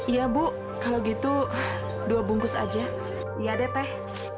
iya bu kalau gitu dua bungkus aja ya deh teh